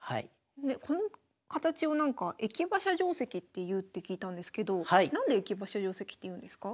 この形をなんか駅馬車定跡っていうって聞いたんですけど何で駅馬車定跡っていうんですか？